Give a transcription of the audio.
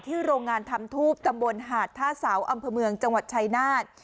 โรงงานทำทูบตำบลหาดท่าเสาอำเภอเมืองจังหวัดชายนาฏ